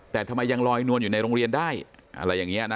แต่ทำไมยังลอยนวลอยู่ในโรงเรียนได้อะไรอย่างนี้นะ